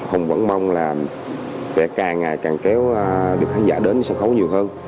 hùng vẫn mong là sẽ càng ngày càng kéo được khán giả đến sân khấu nhiều hơn